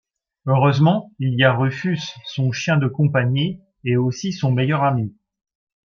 Heureusement il y a Rufus, son chien de compagnie et aussi son meilleur ami.